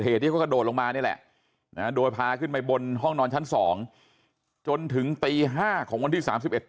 เห็นว่าคนร้ายตอนนี้